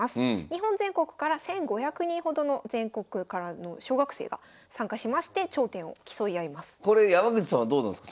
日本全国から１，５００人ほどの全国からの小学生が参加しまして頂点を競い合います。